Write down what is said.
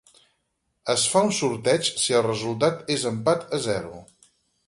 Es fa un sorteig si el resultat és d'empat a zero.